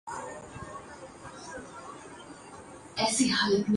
سب کی اپنی اپنی ترجیحات ہیں۔